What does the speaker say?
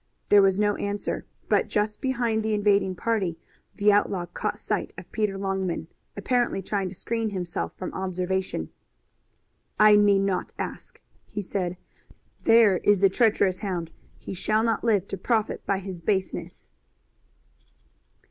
There was no answer, but just behind the invading party the outlaw caught sight of Peter Longman, apparently trying to screen himself from observation. "I need not ask," he said. "There is the treacherous hound. He shall not live to profit by his baseness."